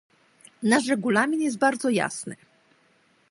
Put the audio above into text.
Nasz regulamin jest bardzo jasny